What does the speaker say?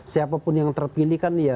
siapapun yang terpilih